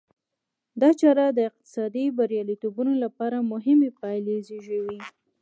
دا چاره د اقتصادي بریالیتوب لپاره مهمې پایلې زېږوي.